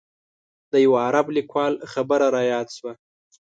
د یوه عرب لیکوال خبره رایاده شوه.